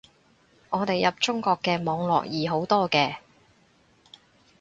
我哋入中國嘅網絡易好多嘅